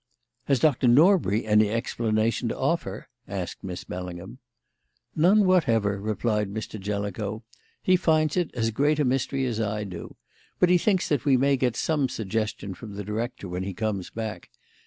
"Has Doctor Norbury any explanation to offer?" asked Miss Bellingham. "None whatever," replied Mr. Jellicoe. "He finds it as great a mystery as I do. But he thinks that we may get some suggestion from the Director when he comes back.